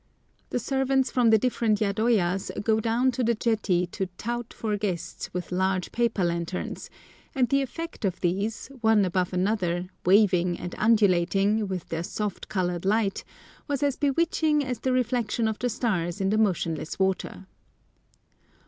The servants from the different yadoyas go down to the jetty to "tout" for guests with large paper lanterns, and the effect of these, one above another, waving and undulating, with their soft coloured light, was as bewitching as the reflection of the stars in the motionless water.